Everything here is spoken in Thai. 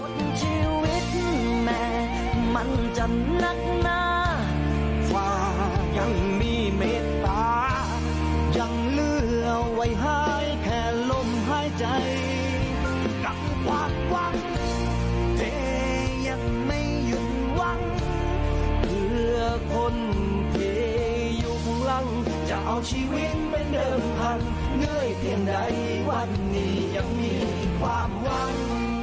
มหายใจกับความหวังยังไม่หยุ่นหวังเพื่อทนเพลยุคลังจะเอาชีวิตเป็นเดิมทันเหนื่อยเทียงใดวันนี้ยังมีความหวัง